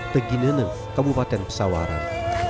tegineneng kabupaten pesawaran